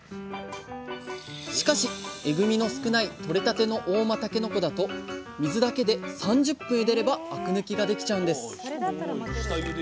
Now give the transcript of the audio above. しかしえぐみの少ないとれたての合馬たけのこだと水だけで３０分ゆでればあく抜きができちゃうんです！